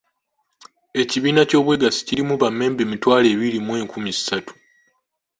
Ekibiina ky'obwegassi kirimu bammemba emitwalo ebiri mu enkumi ssatu.